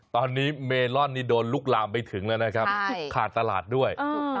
ตอนนี้เมลอนนี่โดนลุกลามไปถึงแล้วนะครับขาดตลาดด้วย